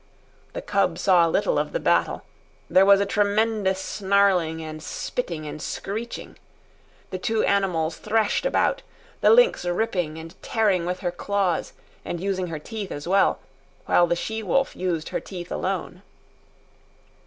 The cub saw little of the battle. There was a tremendous snarling and spitting and screeching. The two animals threshed about, the lynx ripping and tearing with her claws and using her teeth as well, while the she wolf used her teeth alone.